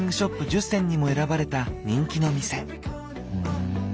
１０選にも選ばれた人気の店。